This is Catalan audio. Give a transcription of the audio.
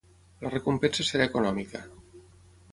La recompensa serà econòmica.